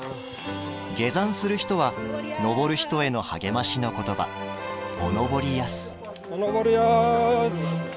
下山する人は、登る人への励ましの言葉「おのぼりやす」。